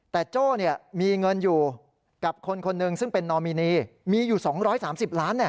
แต่โจ้มีเงินอยู่กับคนคนหนึ่งซึ่งเป็นนอมินีมีอยู่๒๓๐ล้าน